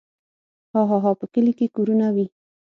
هاهاها په کلي کې کورونه وي.